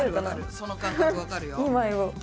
その感覚わかるよ。